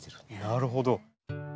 なるほど。